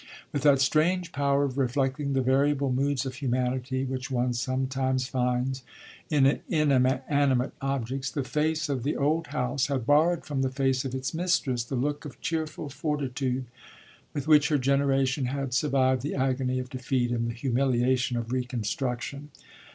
With that strange power of reflecting the variable moods of humanity which one sometimes finds in inanimate objects, the face of the old house had borrowed from the face of its mistress the look of cheerful fortitude with which her generation had survived the agony of defeat and the humiliation of reconstruction.